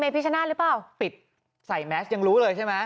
ปิดใส่แมสก์ยังรู้เลยใช่มั้ย